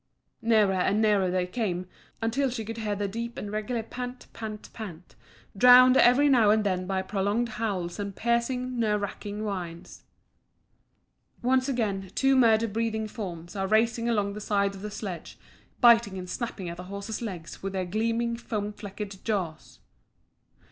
Nearer and nearer they came, until she could hear a deep and regular pant, pant, pant, drowned every now and then by prolonged howls and piercing, nerve racking whines. Once again two murder breathing forms are racing along at the side of the sledge, biting and snapping at the horse's legs with their gleaming, foam flecked jaws.